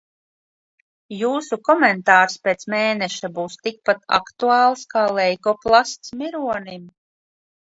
Jūsu komentārs pēc mēneša būs tikpat aktuāls kā leikoplasts mironim.